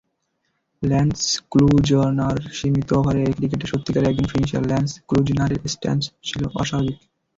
Lance ক্লুজনারসীমিত ওভারের ক্রিকেটে সত্যিকারের একজন ফিনিশার ল্যান্স ক্লুজনারের স্ট্যান্স ছিল অস্বাভাবিক।